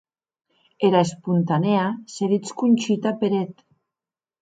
Era esponanèa se dits Conxita Peret.